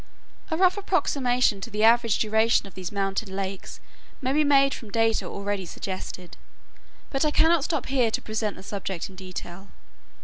A rough approximation to the average duration of these mountain lakes may be made from data already suggested, but I cannot stop here to present the subject in detail.